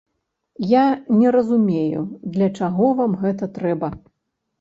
Я не разумею, для чаго вам гэта трэба.